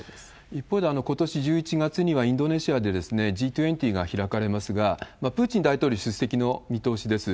一方で、ことし１１月にはインドネシアでＧ２０が開かれますが、プーチン大統領出席の見通しです。